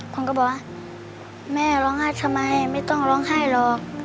คนก็บอกว่าแม่ร้องไห้ทำไมไม่ต้องร้องไห้หรอก